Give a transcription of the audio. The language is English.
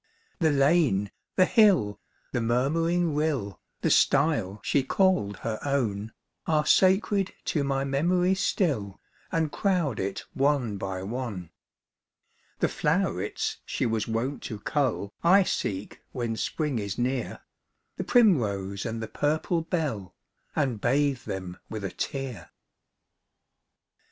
The lane, the hill, the murmuring rill, The stjje she called her own, Are sacred to my memory still, And crowd it one by one. The flow'rets she was wont to cull I seek when spring is near, The primrose and the purple bell, And bathe them with a tear.